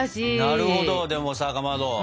なるほどでもさかまど。